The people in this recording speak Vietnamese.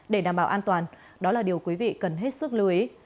để đảm bảo an toàn đó là điều quý vị cần hết sức lưu ý